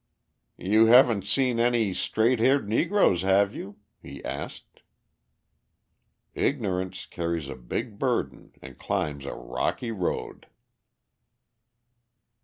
"You haven't seen any straight haired Negroes, have you?" he asked. Ignorance carries a big burden and climbs a rocky road!